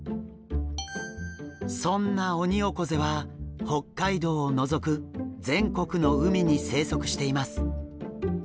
そんなオニオコゼは北海道を除く全国の海に生息しています。